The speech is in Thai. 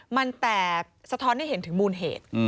มันแต่สะท้อนให้เห็นถึงมูลเหตุ